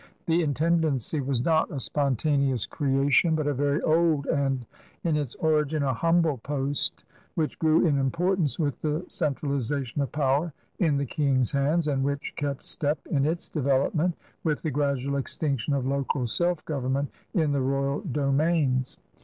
The intendancy was not a spontaneous creation, but a very old and, in its origin, a humble post which grew in importance with the central ization of power in the King's hands, and which kept step in its development with the gradual extinction of local self government in the royal domains.